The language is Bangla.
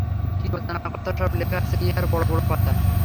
কি অজানা কথা সব লেখা আছে ইহার বড় বড় পাতায়?